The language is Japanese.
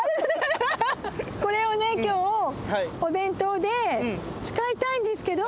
これをね今日お弁当で使いたいんですけど。